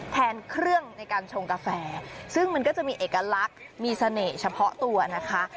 แทนเครื่องในการชงกาแฟซึ่งมันก็จะมีเอกลักษณ์มีเสน่ห์เฉพาะตัวนะคะ